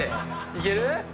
いける？